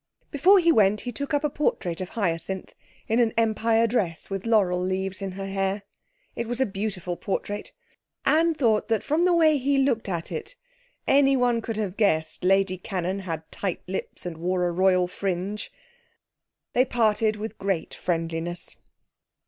Before he went he took up a portrait of Hyacinth in an Empire dress with laurel leaves in her hair. It was a beautiful portrait. Anne thought that from the way he looked at it, anyone could have guessed Lady Cannon had tight lips and wore a royal fringe.... They parted with great friendliness.